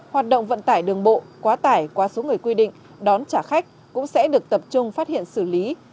hoạt động vận tải đường bộ quá tải qua số người quy định đón trả khách cũng sẽ được tập trung phát hiện xử lý